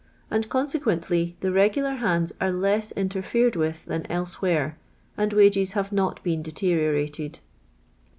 an l cjn i'qn •nlly, th j regular hands an' less interfen d with than elsowheri*, and wau'Si hav. not been dcteriorat d.